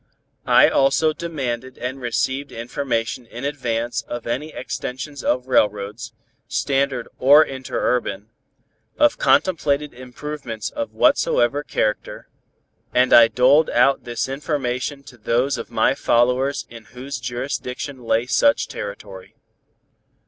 I also demanded and received information in advance of any extensions of railroads, standard or interurban, of contemplated improvements of whatsoever character, and I doled out this information to those of my followers in whose jurisdiction lay such territory.